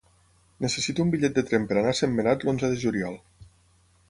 Necessito un bitllet de tren per anar a Sentmenat l'onze de juliol.